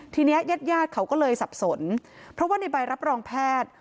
ทีนี้ญาติญาติเขาก็เลยสับสนเพราะว่าในใบรับรองแพทย์